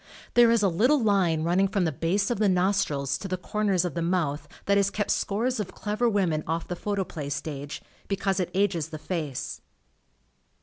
There is a little line running from the base of the nostrils to the corners of the mouth that has kept scores of clever women off the Photoplay stage, because it ages the face.